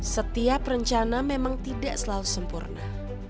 setiap rencana memang tidak selalu sempurna